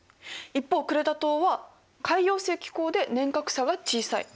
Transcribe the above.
一方クレタ島は海洋性気候で年較差が小さい。